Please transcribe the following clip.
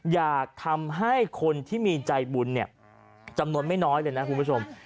อยากให้คนที่มีใจบุญเนี่ยจำนวนไม่น้อยเลยนะคุณผู้ชม